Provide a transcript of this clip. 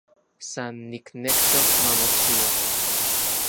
San niknektok mamochiua